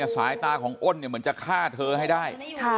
สายตาของอ้นเหมือนจะฆ่าเธอให้ได้